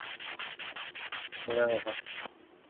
증명해봐.